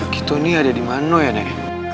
kita ini ada dimana ya nek